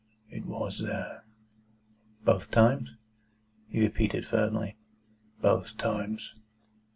"It WAS there." "Both times?" He repeated firmly: "Both times."